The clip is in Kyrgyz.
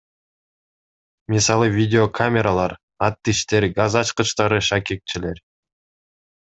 Мисалы, Видеокамералар, аттиштер, газ ачкычтары, шакекчелер.